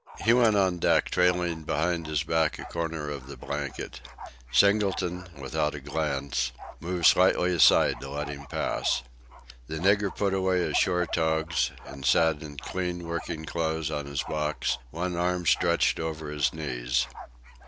He went on deck trailing behind his back a corner of the blanket. Singleton, without a glance, moved slightly aside to let him pass. The nigger put away his shore togs and sat in clean working clothes on his box, one arm stretched over his knees.